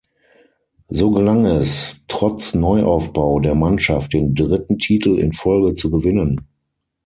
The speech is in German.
So gelang es, trotz Neuaufbau der Mannschaft den dritten Titel in Folge zu gewinnen.